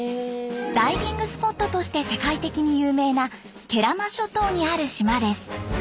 ダイビングスポットとして世界的に有名な慶良間諸島にある島です。